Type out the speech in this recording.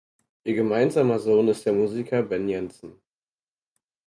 Ihr gemeinsamer Sohn ist der Musiker Ben Jensen.